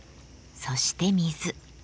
そして水。